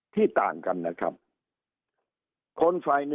สุดท้ายก็ต้านไม่อยู่